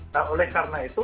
nah oleh karena itu